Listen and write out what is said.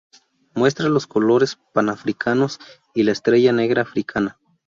Muestra los colores panafricanos y la Estrella negra africana.